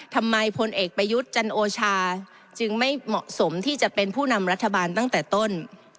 พลเอกประยุทธ์จันโอชาจึงไม่เหมาะสมที่จะเป็นผู้นำรัฐบาลตั้งแต่ต้น